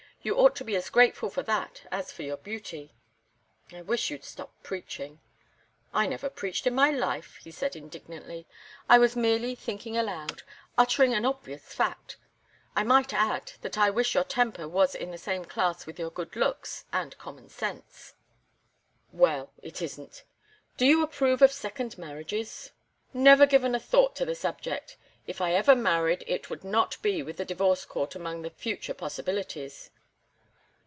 You ought to be as grateful for that as for your beauty." "I wish you'd stop preaching." "I never preached in my life," he said, indignantly. "I was merely thinking aloud—uttering an obvious fact. I might add that I wish your temper was in the same class with your good looks and common sense." "Well, it isn't. Do you approve of second marriages?" "Never given a thought to the subject. If ever I married it would not be with the divorce court among the future possibilities."